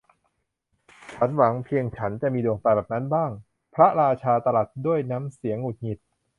ชั้นหวังเพียงชั้นจะมีดวงตาแบบนั้นบ้าง พระราชาตรัสด้วยน้ำเสียงหงุดหงิด